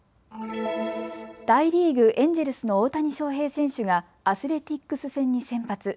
大リーグ、エンジェルスの大谷翔平選手がアスレティックス戦に先発。